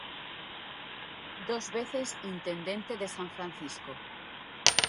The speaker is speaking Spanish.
Dos veces intendente de San Francisco.